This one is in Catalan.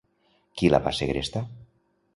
Qui la va segrestar?